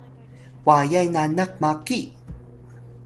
wayay nanak maki